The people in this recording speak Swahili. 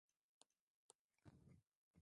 Kwa sasa Mkoa una jumla ya Tarafa ishirini